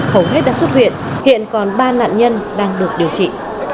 hầu hết đã xuất hiện hiện còn ba nạn nhân đang được điều trị